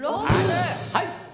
はい。